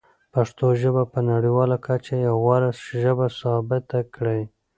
پښتو ژبه په نړیواله کچه یوه غوره ژبه ثابته کړئ.